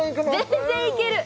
全然いける？